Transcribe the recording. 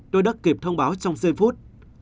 tôi đã kịp thông báo trong giây phút